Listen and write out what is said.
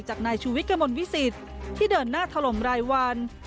จากนายชุวิกมนต์วิสิทธิ์ที่เดินหน้าทะลมรายวัน